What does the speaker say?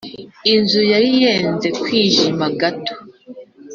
inzu yari yenze kwijima gato